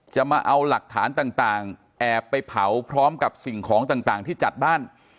จะมาเอาหลักฐานต่างแอบไปเผาพร้อมกับสิ่งของต่างที่จัดบ้าน